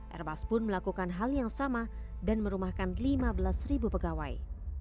airbus pun melakukan hal yang sama dan merumahkan lima belas pegawai